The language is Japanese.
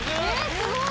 すごい。